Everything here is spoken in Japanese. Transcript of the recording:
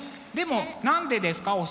でも何でですか？